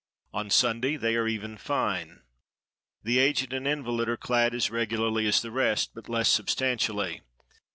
On Sunday they are even fine. The aged and invalid are clad as regularly as the rest, but less substantially.